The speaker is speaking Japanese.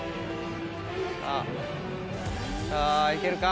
さあいけるか？